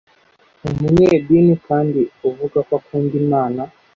umunyedini, kandi uvuga ko akunda imana